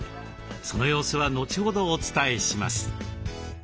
その様子は後ほどお伝えします。